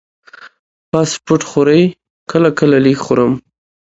فاسټ فوډ خورئ؟ کله کله، لږ خورم